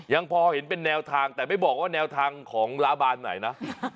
ยังพอเห็นเป็นแนวทางแต่ไม่บอกว่าแนวทางของล้าบานไหนนะ